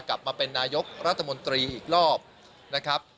กลับมาเป็นนายกรัฐมนตรีอีกรอบนะครับ